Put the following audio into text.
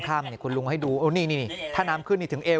ค่ำเนี่ยคุณลุงให้ดูโอ้นี่นี่นี่ถ้าน้ำขึ้นถึงเอว